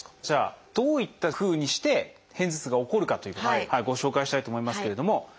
じゃあどういったふうにして片頭痛が起こるかということをご紹介したいと思いますけれども。